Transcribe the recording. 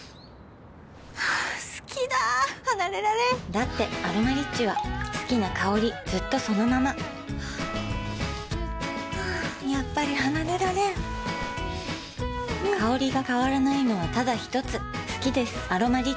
好きだ離れられんだって「アロマリッチ」は好きな香りずっとそのままやっぱり離れられん香りが変わらないのはただひとつ好きです「アロマリッチ」